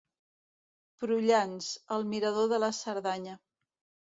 Prullans, el mirador de la Cerdanya.